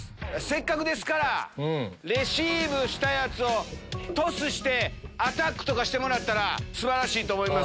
せっかくですからレシーブしたやつをトスしてアタックしてもらったら素晴らしいと思います。